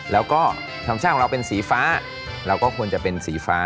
แล้วก็ธรรมชาติของเราเป็นสีฟ้าเราก็ควรจะเป็นสีฟ้า